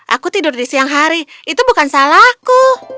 aku tidur di siang hari itu bukan salahku